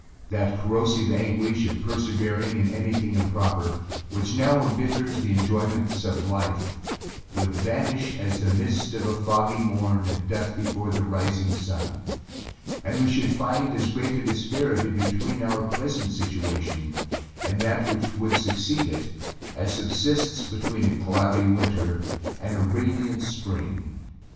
That corrosive anguish of persevering in anything improper, which now embitters the enjoyments of life, would vanish as the mist of a foggy morn doth before the rising sun; and we should find as great a disparity between our present situation, and that which would succeed to it, as subsists between a cloudy winter, and a radiant spring.